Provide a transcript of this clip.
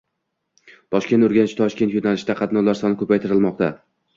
Toshkent–Urganch–Toshkent yo‘nalishida qatnovlar soni ko‘paytirilmoqda